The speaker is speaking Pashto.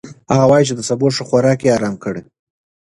هغه وايي چې د سبو ښه خوراک يې ارام کړی.